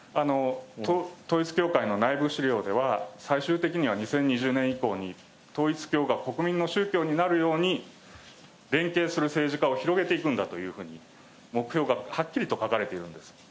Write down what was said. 統一教会の内部資料では、最終的には２０２０年以降に、統一教が国民の宗教になるように、連携する政治家を広げていくんだというふうに目標がはっきりと書かれているんです。